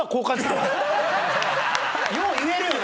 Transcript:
よう言えるよな。